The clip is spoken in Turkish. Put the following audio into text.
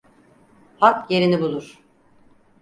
Hak yerini bulur.